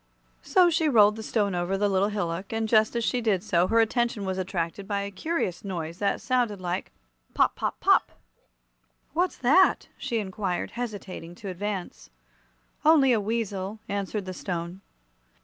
So she rolled the Stone over the little hillock, and just as she did so her attention was attracted by a curious noise that sounded like "Pop! pop! pop!" "What's that?" she inquired, hesitating to advance. "Only a weasel," answered the Stone.